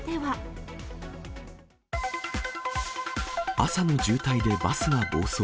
朝の渋滞でバスが暴走。